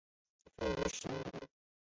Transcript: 非食用鱼。